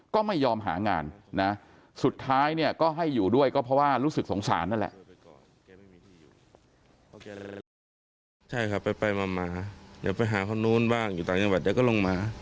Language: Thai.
ก็ไม่ยอมหางานนะสุดท้ายเนี่ยก็ให้อยู่ด้วยก็เพราะว่ารู้สึกสงสารนั่นแหละ